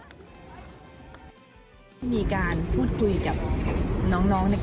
เพราะแม้วันนี้นะครับจะประกาศยุติบทบาทแต่ทุกสิ่งต้องดำเนินไปข้างหน้าครับ